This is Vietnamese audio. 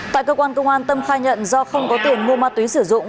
tại cơ quan công an tâm khai nhận do không có tiền mua ma túy sử dụng